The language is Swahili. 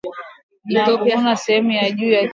ili kuvuna viazi vizuri panda sehemu ya juu ya shina